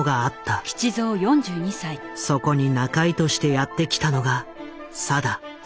そこに仲居としてやって来たのが定。